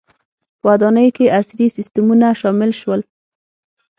• په ودانیو کې عصري سیستمونه شامل شول.